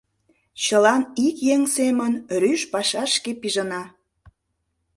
Чылан ик еҥ семын рӱж пашашке пижына...